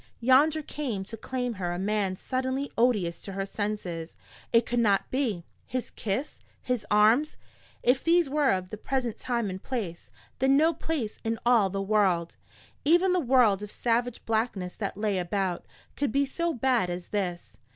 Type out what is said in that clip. Yonder came to claim her a man suddenly odious to her senses. It could not be. His kiss, his arms if these were of this present time and place, then no place in all the world, even the world of savage blackness that lay about, could be so bad as this.